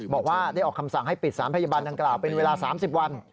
บอกว่าได้ออกคำสั่งให้ปิดสารพยาบาลดังกล่าวเป็นเวลา๓๐วัน